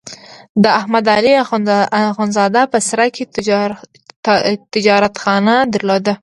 د احمد علي اخوندزاده په سرای کې تجارتخانه درلوده.